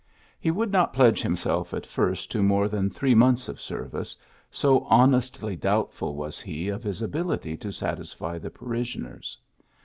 He would not pledge himself at first to more than three months of service, so honestly doubtful was he of his ability to satisfy the parishioners.